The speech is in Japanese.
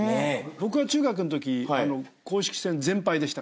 僕は中学のとき公式戦全敗でした。